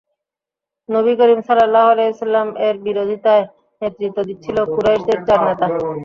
নবী করীম সাল্লাল্লাহু আলাইহি ওয়াসাল্লাম-এর বিরোধিতায় নেতৃত্ব দিচ্ছিল কুরাইশদের চার নেতা।